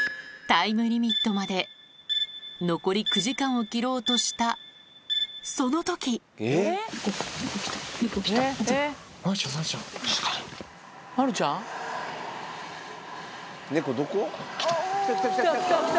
タイムリミットまで残り９時間を切ろうとしたその時まるちゃん？来た来た来た！